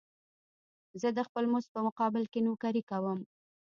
زه د خپل مزد په مقابل کې نوکري کوم